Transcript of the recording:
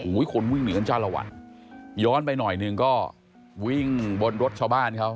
โห้ยคนวิ่งเหลือกันจะระหวัดย้อนไปหน่อยหนึ่งก็วิ่งบนรถชาวบ้านเขา